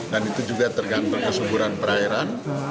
dan itu juga tergantung kesungguran perairan